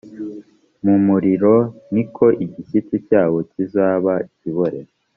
mu muriro ni ko igishyitsi cyabo kizaba ikibore